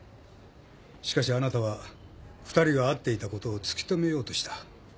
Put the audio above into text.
しかしあなたは二人が会っていたことを突き止めようとした。